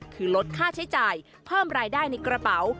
คือลดค่าใช้จ่ายเพิ่มรายได้ในกระเป๋า